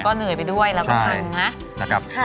เราก็เหนื่อยไปด้วยเราก็พังนะ